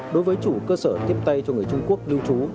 đối với chủ cơ sở tiếp tay cho người trung quốc lưu trú